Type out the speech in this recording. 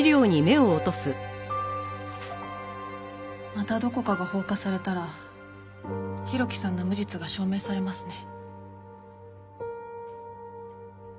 またどこかが放火されたら浩喜さんの無実が証明されますね。